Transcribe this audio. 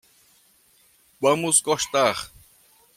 Vamos gostar.